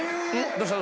どうした？